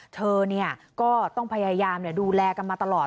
เธอก็ต้องพยายามดูแลกันมาตลอด